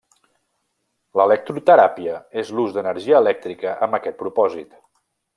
L'electroteràpia és l'ús d'energia elèctrica amb aquest propòsit.